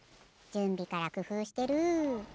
じゅんびからくふうしてる。